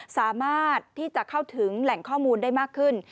สามารถที่จะเข้าถึงแหล่งข้อมูลได้มากขึ้น